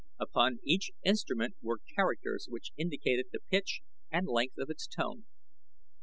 Upon each instrument were characters which indicated the pitch and length of its tone.